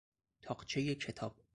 تاقچهی کتاب